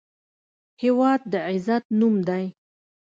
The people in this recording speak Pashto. هېواد د عزت نوم دی.